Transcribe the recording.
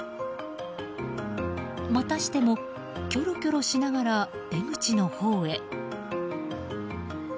またしてもきょろきょろしながら出口のほうへ。